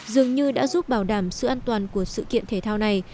dường như đã giúp bảo đảm sự an toàn của sự kiện thể thao này